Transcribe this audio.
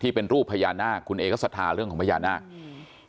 เป็นรูปพญานาคคุณเอก็ศรัทธาเรื่องของพญานาคอืม